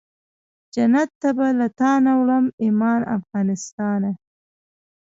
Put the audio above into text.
جنت ته به له تانه وړم ایمان افغانستانه